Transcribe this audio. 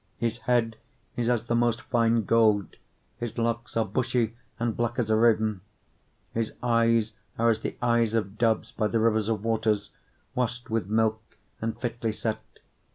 5:11 His head is as the most fine gold, his locks are bushy, and black as a raven. 5:12 His eyes are as the eyes of doves by the rivers of waters, washed with milk, and fitly set.